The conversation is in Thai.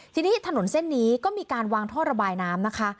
ทีนี้ถนนเส้นนี้ก็มีการวางท่อระบายน้ำนะคะ